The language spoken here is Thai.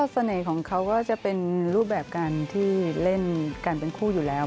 เสน่ห์ของเขาก็จะเป็นรูปแบบการที่เล่นกันเป็นคู่อยู่แล้ว